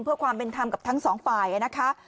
เพื่อความเป็นธรรมกับทั้งสองฝ่ายนะคะ